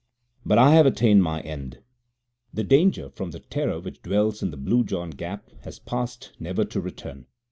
But I have attained my end. The danger from the Terror which dwells in the Blue John Gap has passed never to return.